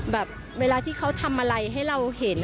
แบบเวลาที่เขาทำอะไรให้เราเห็น